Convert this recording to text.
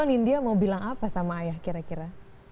nindya mau bilang apa sama ayah kira kira